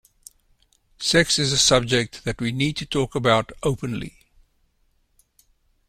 Sex is a subject that we need to talk about openly.